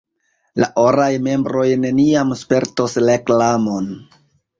La oraj membroj neniam spertos reklamon.